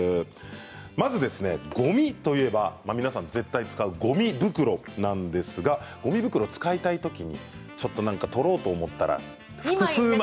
まず、ごみといえば皆さん絶対使うごみ袋なんですが使いたいときに何か取ろうと思ったときに複数枚。